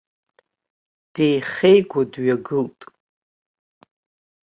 Деихеигәо дҩагылт.